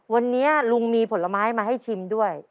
วันนี้ลุงมีผลไม้มาให้ชิมด้วย